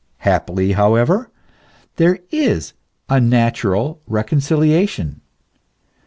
Happily, however, there is a natural reconciliation.